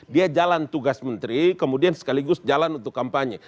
dia jalan tugas menteri kemudian sekaligus jalan untuk kampanye